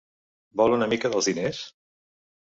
Vol una mica dels diners?